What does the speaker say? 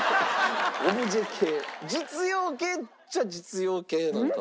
実用系っちゃ実用系なんかな？